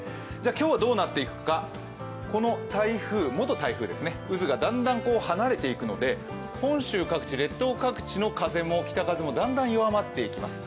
今日はどうなっていくか、この台風、元台風ですね、渦がだんだん離れていくので本州各地、列島各地の風も、北風もだんだん弱まっていきます。